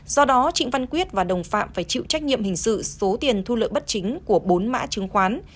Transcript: do đó trịnh văn quyết và đồng phạm phải chịu trách nhiệm hình sự số tiền thu lợi bất chính của bốn mã chứng khoán